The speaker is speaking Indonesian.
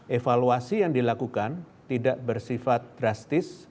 evaluasi yang dilakukan tidak bersifat drastis